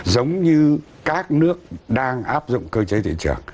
giống như các nước đang áp dụng cơ chế thị trường